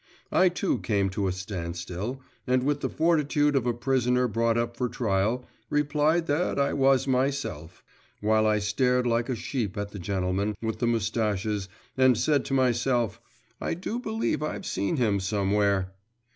I too came to a standstill, and with the fortitude of a prisoner brought up for trial, replied that I was myself; while I stared like a sheep at the gentleman with the moustaches and said to myself 'I do believe I've seen him somewhere!